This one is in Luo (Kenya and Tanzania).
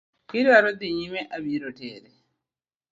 Kidwaro dhi nyime abiro teri.